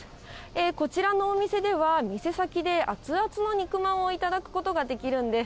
こちらのお店では、店先で熱々の肉まんを頂くことができるんです。